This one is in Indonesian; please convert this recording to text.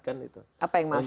apa yang masih belum